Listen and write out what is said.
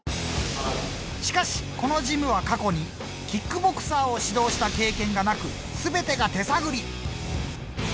しかしこのジムは過去にキックボクサーを指導した経験がなく全てが手探り。